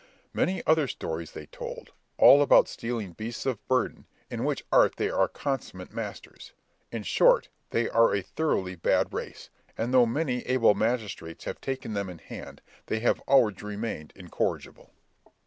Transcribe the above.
Many other stories they told, all about stealing beasts of burden, in which art they are consummate masters. In short, they are a thoroughly bad race, and though many able magistrates have taken them in hand, they have always remained incorrigible.